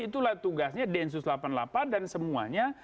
itulah tugasnya densus delapan puluh delapan dan semuanya